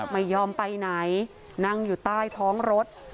ไม่ยอมไปไหนนั่งอยู่ใต้ท้องรถ